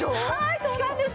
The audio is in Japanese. そうなんです。